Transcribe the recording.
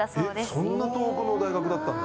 そんな遠くの大学だったんだ。